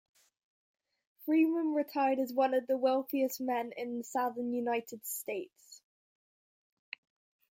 Freeman retired as one of the wealthiest men in the Southern United States.